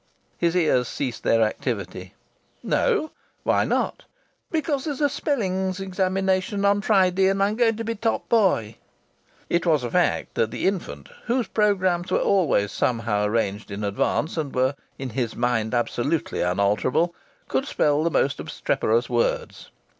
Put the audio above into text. His ears ceased their activity. "No? Why not?" "Because there's a spellings examination on Friday, and I'm going to be top boy." It was a fact that the infant (whose programmes were always somehow arranged in advance, and were in his mind absolutely unalterable) could spell the most obstreperous words.